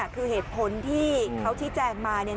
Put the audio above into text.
คือเหตุผลที่เขาที่แจงมา